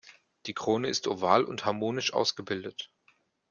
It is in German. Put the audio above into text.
Die Krone ist oval und harmonisch ausgebildet.